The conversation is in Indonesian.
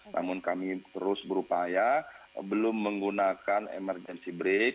namun kami terus berupaya belum menggunakan emergency break